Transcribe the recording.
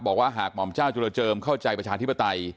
บอกว่าหากหม่อมเจ้าจุลเจิมเข้าใจประชาธิปไตย